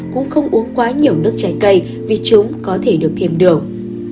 cũng không uống quá nhiều nước trái cây vì chúng có thể được thêm được